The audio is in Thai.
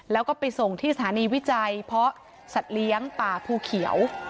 แล้วก็ไปส่งที่สถานีวิจัยเพาะสัตว์เลี้ยงป่าภูเขียว